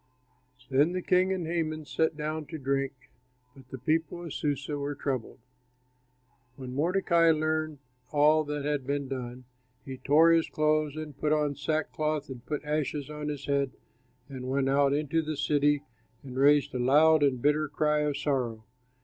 Then the king and Haman sat down to drink, but the people of Susa were troubled. When Mordecai learned all that had been done, he tore his clothes and put on sackcloth and put ashes on his head, and went out into the city and raised a loud and bitter cry of sorrow.